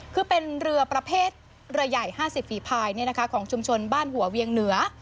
คือเป็นเรือประเภทเรือใหญ่๕๐ฝีภายของชุมชนบ้านหัวเวียงเหนือ